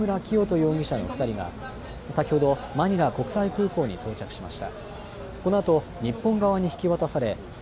容疑者の２人が先ほどマニラ国際空港に到着しました。